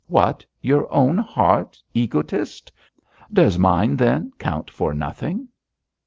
'What! your own heart, egotist! Does mine then count for nothing?'